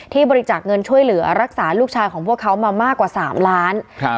บริจาคเงินช่วยเหลือรักษาลูกชายของพวกเขามามากกว่า๓ล้าน